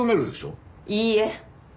いいえ！